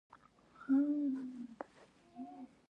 احتمالي ماضي لکه ما به لیکلي وي او تا به خوړلي وي.